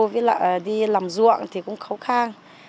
ví dụ là đi làm ruộng thì cũng khó khăn